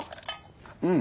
うん。